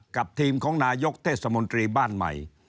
กับทีมของนายกเทศมนตรีบ้านใหม่